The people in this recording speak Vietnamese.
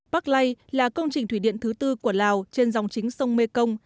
park lay là công trình thủy điện thứ tư của lào trên dòng chính sông mê công